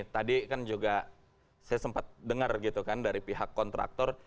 tadi kan juga saya sempat dengar gitu kan dari pihak kontraktor